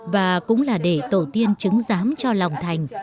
và cũng là để tổ tiên chứng giám cho lòng thành